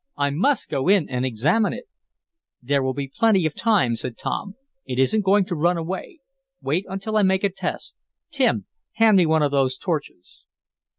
I must go in and examine it!" "There'll be plenty of time," said Tom. "It isn't going to run away. Wait until I make a test Tim, hand me one of those torches."